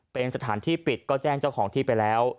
เป็นสถานที่ปิดก็แจ้งเจ้าของที่ไปแล้ว